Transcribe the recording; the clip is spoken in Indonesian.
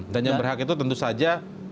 dan yang berhak itu tentu saja